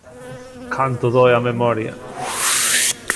¡Canto doe a memoria!